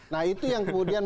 nah itu yang kemudian